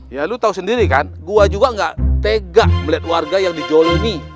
ya lo tau sendiri kan gue juga gak tega melihat warga yang dijolomi